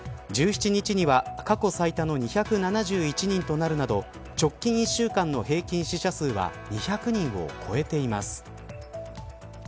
１７日には過去最多の２７１人となるなど直近１週間の平均死者数は２００人を超えています。